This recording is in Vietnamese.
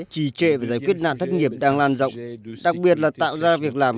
trì trệ và giải quyết nạn thất nghiệp đang lan rộng đặc biệt là tạo ra việc làm